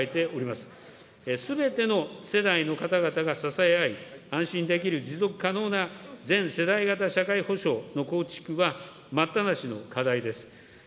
すべての世代の方々が支え合い、安心できる持続可能な全世代型社会保障の構築は待ったなしの課題です。